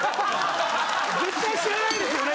絶対知らないですよね